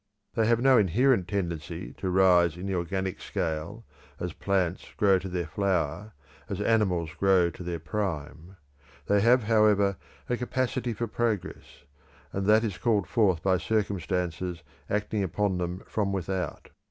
They have no inherent tendency to rise in the organic scale as plants grow to their flower, as animals grow to their prime. They have, however, a capacity for progress, and that is called forth by circumstances acting upon them from without.